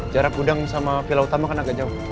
jarak gudang sama villa utama kan agak jauh